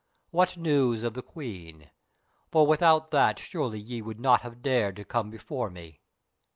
What news of the Queen? For without that surely ye would not have dared to come before me."